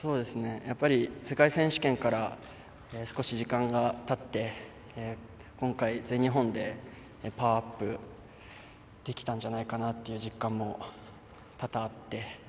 やっぱり世界選手権から少し時間がたって今回、全日本でパワーアップできたんじゃないかなっていう実感も多々あって。